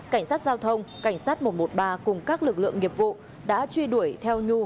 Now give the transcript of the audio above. cảnh sát giao thông cảnh sát một trăm một mươi ba cùng các lực lượng nghiệp vụ đã truy đuổi theo nhu